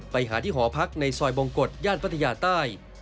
ไปหาที่หอพักในซอยบงกฎย่านพัทยาใต้